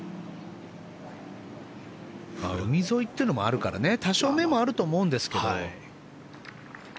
海沿いというのもあるから多少、目もあると思いますが。